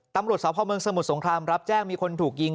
ตำรวจสพเมืองสมุทรสงครามรับแจ้งมีคนถูกยิง